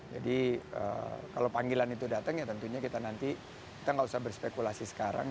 jadi kalau panggilan itu datang ya tentunya kita nanti kita nggak usah berspekulasi sekarang